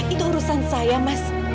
itu urusan saya mas